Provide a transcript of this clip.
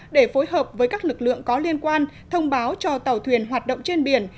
để phối hợp với các lực lượng có liên quan thông báo cho tàu thuyền hoạt động trên biển